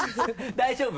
大丈夫？